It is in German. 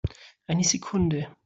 Eine Sekunde!